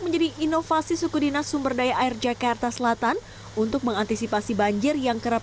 menjadi inovasi suku dinas sumberdaya air jakarta selatan untuk mengantisipasi banjir yang kerap